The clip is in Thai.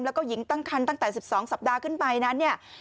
แล้วก็หญิงตั้งคันตั้งแต่๑๒สัปดาห์ขึ้นไปนั้นเนี่ย